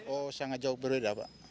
oh sangat jauh berbeda pak